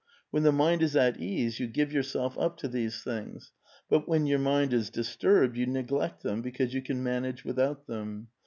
When the mind is at ease, you give yourself up to these things ; but when your mind is disturbed, you neglect them, because you can manage without them.